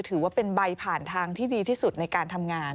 ถือว่าเป็นใบผ่านทางที่ดีที่สุดในการทำงาน